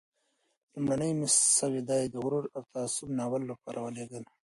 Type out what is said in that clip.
لومړنی مسوده یې د "غرور او تعصب" ناول لپاره ولېږله.